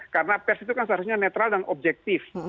karena pers itu kan seharusnya netral dan objektif